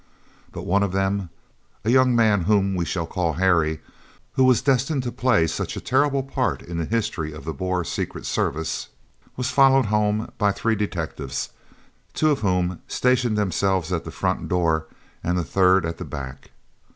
But one of them, a young man whom we shall call Harry, who was destined to play such a terrible part in the history of the Boer Secret Service, was followed home by three detectives, two of whom stationed themselves at the front door and the third at the back.